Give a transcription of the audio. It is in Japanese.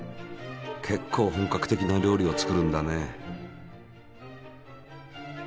けっこう本格的な料理を作るんだね。